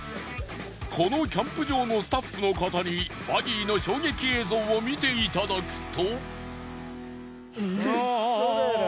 このキャンプ場のスタッフの方にバギーの衝撃映像を見て頂くと。